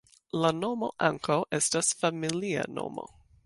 La nomo ankaŭ estas familia nomo.